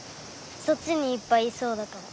そっちにいっぱいいそうだから。